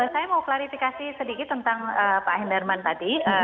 saya mau klarifikasi sedikit tentang pak hendarman tadi